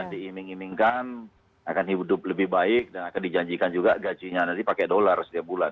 diiming imingkan akan hidup lebih baik dan akan dijanjikan juga gajinya nanti pakai dolar setiap bulan